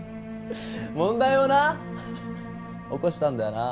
問題をな起こしたんだよな？